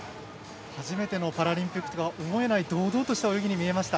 初めてのパラリンピックとは思えない堂々とした泳ぎに見えました。